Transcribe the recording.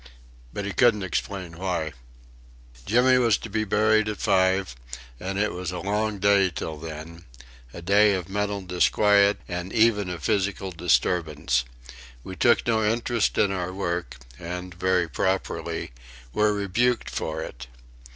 But he couldn't explain why. Jimmy was to be buried at five, and it was a long day till then a day of mental disquiet and even of physical disturbance. We took no interest in our work and, very properly, were rebuked for it.